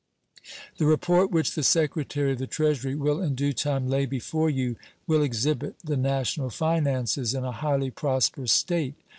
The report which the Secretary of the Treasury will in due time lay before you will exhibit the national finances in a highly prosperous state.